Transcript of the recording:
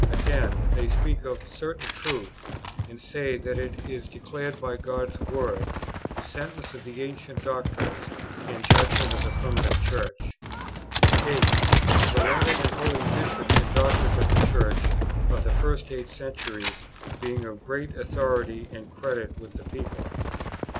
Again, they speak of a certain truth, and say that it is declared by God's word, the sentences of the ancient doctors, and judgment of the Primitive Church. 8. Of the learned and holy Bishops and doctors of the Church of the first eight centuries being of great authority and credit with the people.